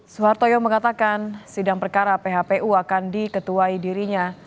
suhartoyo mengatakan sidang perkara phpu akan diketuai dirinya